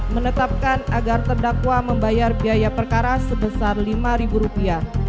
menetapkan agar terdakwa membayar biaya perkara sebesar lima rupiah